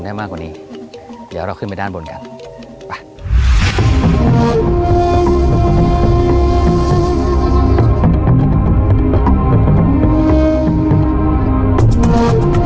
มากกว่านี้เดี๋ยวเราขึ้นไปด้านบนกันไป